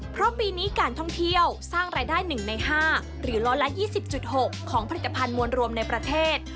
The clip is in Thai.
เพราะปีนี้การท่องเที่ยวสร้างรายได้๑ใน๕หรือ๑๒๐๖ของผลิตภัณฑ์มวลรวมในประเทศ